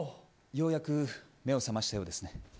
ようやく目を覚ましたようですね。